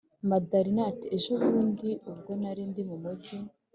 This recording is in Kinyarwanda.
madalina ati”ejo bundi ubwo narindi mumujyi